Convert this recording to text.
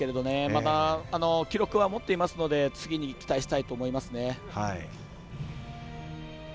まだ記録は持っていますので次に期待したいと思います。